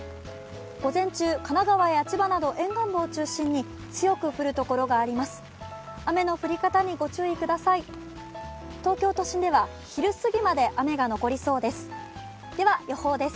午前中、神奈川や千葉など沿岸部を中心に強く降る所があります。